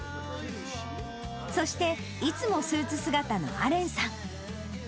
そして、いつもスーツ姿のアレンさん。